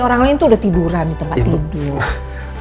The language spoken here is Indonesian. orang lain itu udah tiduran di tempat tidur